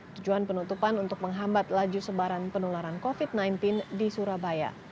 tujuan penutupan untuk menghambat laju sebaran penularan covid sembilan belas di surabaya